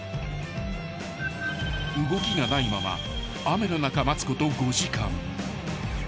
［動きがないまま雨の中待つこと５時間］